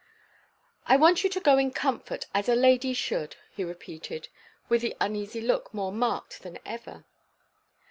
"I want you to go in comfort, as a lady should," he repeated, with the uneasy look more marked than ever.